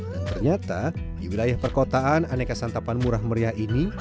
dan ternyata di wilayah perkotaan aneka santapan murah meriah ini